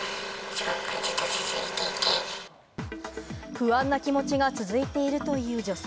不安な気持ちが続いているという女性。